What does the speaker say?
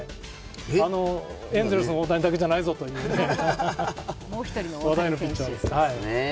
エンゼルスの大谷だけじゃないぞという話題のピッチャーです。